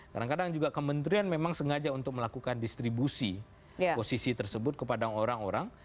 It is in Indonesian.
kadang kadang juga kementerian memang sengaja untuk melakukan distribusi posisi tersebut kepada orang orang